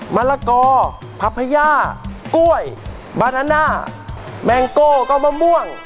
มะละกอผักพย่ากล้วยบานาน่าแมงโก้ก็มะม่วง